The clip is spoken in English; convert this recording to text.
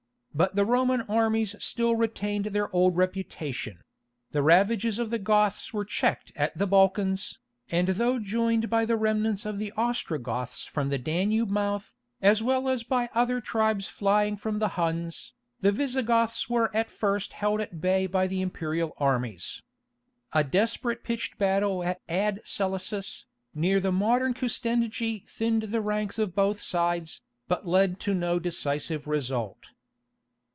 But the Roman armies still retained their old reputation; the ravages of the Goths were checked at the Balkans, and though joined by the remnants of the Ostrogoths from the Danube mouth, as well as by other tribes flying from the Huns, the Visigoths were at first held at bay by the imperial armies. A desperate pitched battle at Ad Salices, near the modern Kustendje thinned the ranks of both sides, but led to no decisive result.